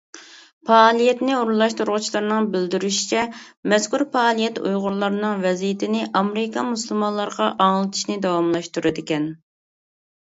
پائالىيەتنى ئورۇنلاشتۇرغۇچىلارنىڭ بىلدۈرۈشىچە، مەزكۇر پائالىيەت ئۇيغۇرلارنىڭ ۋەزىيىتىنى ئامېرىكا مۇسۇلمانلىرىغا ئاڭلىتىشنى داۋاملاشتۇرىدىكەن.